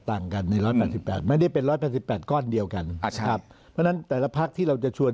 ต่างกัน๑๘๘ไม่ได้เป็น๑๘๘ก้อนเดียวกันแต่ละพักที่เราจะชวน